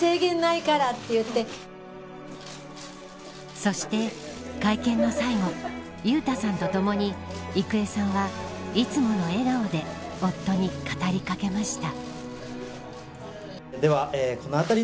そして、会見の最後裕太さんとともに郁恵さんは、いつもの笑顔で夫に語りかけました。